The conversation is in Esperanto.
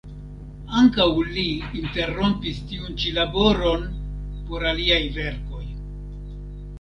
Ankaŭ li interrompis tiun ĉi laboron por aliaj verkoj.